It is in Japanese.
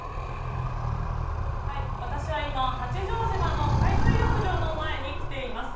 私は今、八丈島の海水浴場の前に来ています。